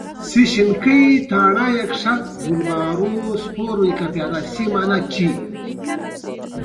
نن ورځ د انسان ټول ژون د جرم او جنایت څخه ډک دی